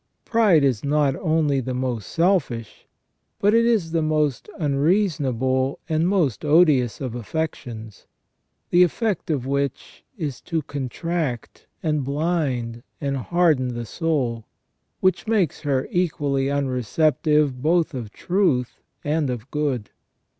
Pride is not only the most selfish, but it is the most unreasonable and most odious of affections, the effect of which is to contract, and blind, and harden the soul, which makes her equally unreceptive both of truth and of good.